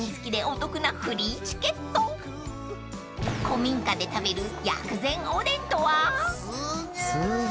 ［古民家で食べる薬膳おでんとは？］